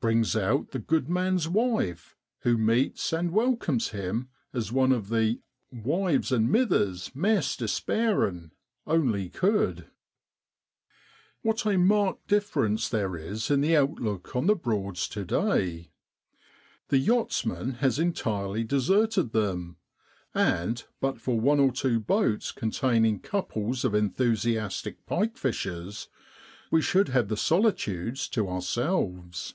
brings out the good man's wife, who meets and welcomes him as one of the ' wives and mithers maist despairin' ' only could. LIFEBOAT TRYING TO APPROACH THE WRECK. What a marked difference there is in the outlook on the Broads to day ! The yachtsman has entirely deserted them, and but for one or two boats containing couples of enthusiastic pike fishers, we should have the solitudes to ourselves.